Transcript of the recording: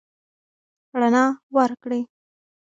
رڼا ورکړئ.